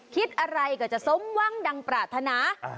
คิดอะไรก็จะสมหวังดังปรารถนา